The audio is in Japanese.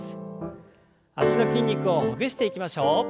脚の筋肉をほぐしていきましょう。